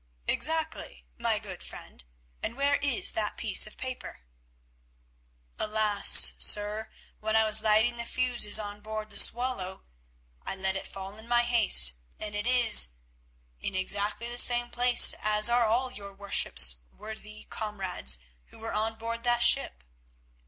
"Exactly, my good friend, and where is that piece of paper?" "Alas! sir, when I was lighting the fuses on board the Swallow, I let it fall in my haste, and it is—in exactly the same place as are all your worship's worthy comrades who were on board that ship.